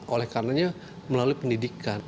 oleh karenanya melalui pendidikan